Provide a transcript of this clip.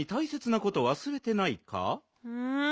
うん？